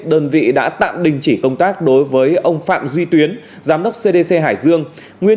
đơn vị đã tạm đình chỉ công tác đối với ông phạm duy tuyến giám đốc cdc hải dương nguyên